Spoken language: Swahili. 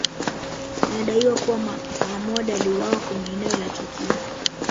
Inadaiwa kuwa Hamoud aliuawa kwenye eneo la tukio